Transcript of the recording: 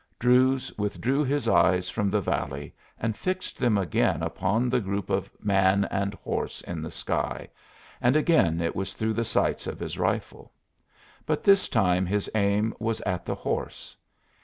Druse withdrew his eyes from the valley and fixed them again upon the group of man and horse in the sky, and again it was through the sights of his rifle. But this time his aim was at the horse.